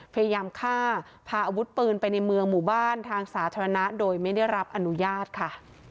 พยายามฆ่าพาอาวุธปืนไปในเมืองหมู่บ้านทางสาธารณะโดยไม่ได้รับอนุญาตค่ะ